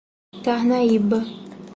Carnaíba